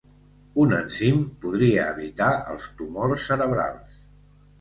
Un enzim podria evitar els tumors cerebrals